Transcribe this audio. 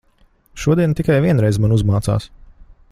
Šodien tikai vienreiz man uzmācās.